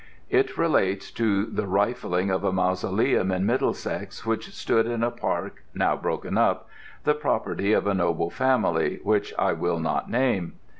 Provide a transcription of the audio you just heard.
It relates to the rifling of a mausoleum in Middlesex which stood in a park (now broken up), the property of a noble family which I will not name.